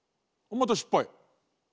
また失敗。